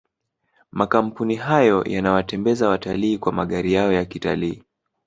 makampuni hayo yanawatembeza watalii kwa magari yao ya kitalii